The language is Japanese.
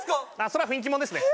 それは雰囲気もんですね